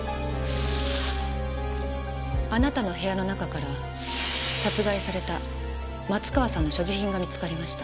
あなたの部屋の中から殺害された松川さんの所持品が見つかりました。